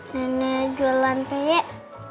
nenek jualan peyek